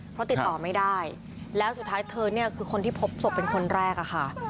เพราะติดต่อไม่ได้แล้วสุดท้ายเธอเนี่ยคือคนที่พบศพเป็นคนแรกอะค่ะ